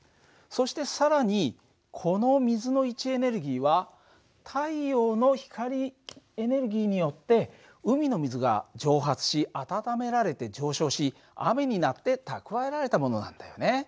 そして更にこの水の位置エネルギーは太陽の光エネルギーによって海の水が蒸発しあたためられて上昇し雨になって蓄えられたものなんだよね。